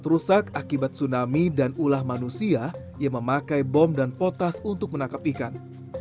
rusak akibat tsunami dan ulah manusia yang memakai bom dan potas untuk menangkap ikan